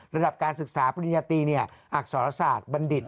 ระดับการศึกษาปริญญาตีอักษรศาสตร์บัณฑิต